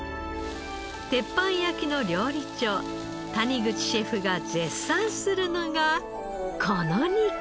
鉄板焼の料理長谷口シェフが絶賛するのがこの肉。